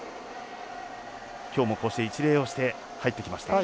きょうも、こうして一礼をして入ってきました。